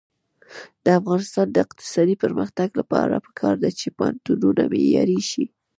د افغانستان د اقتصادي پرمختګ لپاره پکار ده چې پوهنتونونه معیاري شي.